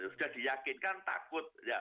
sudah diyakinkan takut